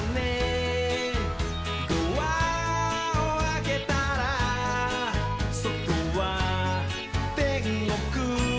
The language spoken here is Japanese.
「ドアをあけたらそとはてんごく」